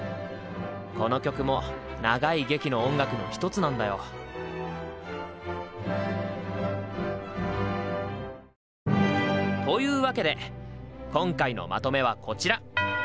この曲も長い劇の音楽の一つなんだよ。というわけで今回のまとめはこちら！